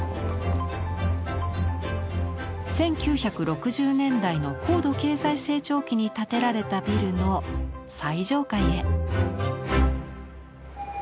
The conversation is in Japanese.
１９６０年代の高度経済成長期に建てられたビルの最上階へ。